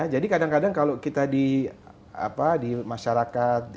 jadi kadang kadang kalau kita di masyarakat